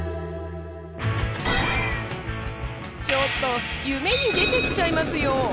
ちょっと夢に出てきちゃいますよ。